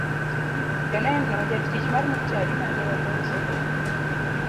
Joneno jatich mar mochari mane walosogo